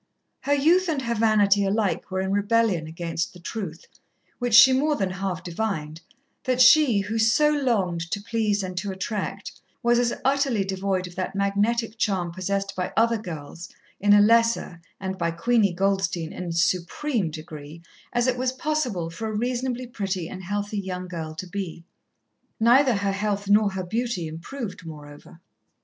Her youth and her vanity alike were in rebellion against the truth, which she more than half divined, that she, who so longed to please and to attract, was as utterly devoid of that magnetic charm possessed by other girls in a lesser, and by Queenie Goldstein in supreme, degree, as it was possible for a reasonably pretty and healthy young girl to be. Neither her health nor her beauty improved, moreover.